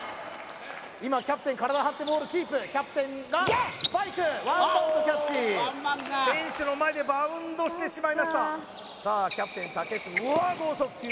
今キャプテン体張ってボールキープキャプテンがスパイクワンバウンドキャッチ選手の前でバウンドしてしまいましたさあキャプテン・竹内うわー剛速球